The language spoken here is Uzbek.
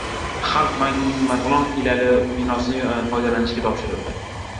Xalq bankining Marg‘ilon filiali binosi foydalanishga topshirildi